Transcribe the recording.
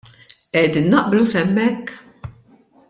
Qegħdin naqblu s'hemmhekk?